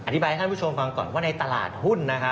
อธิบายให้ท่านผู้ชมฟังก่อนว่าในตลาดหุ้น